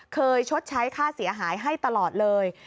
ชดใช้ค่าเสียหายให้ตลอดเลย